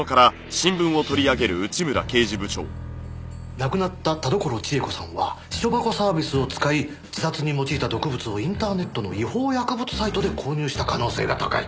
「亡くなった田所千枝子さんは私書箱サービスを使い自殺に用いた毒物をインターネットの違法薬物サイトで購入した可能性が高い」。